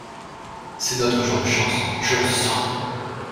C’est notre jour de chance, je le sens.